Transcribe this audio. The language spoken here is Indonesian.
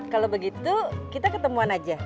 kalau begitu kita ketemuan aja